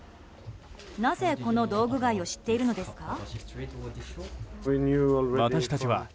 なぜ、この道具街を知っているのですか？